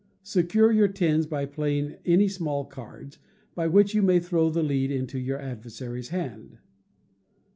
Secure your tens by playing any small cards, by which you may throw the lead into you adversary's hand.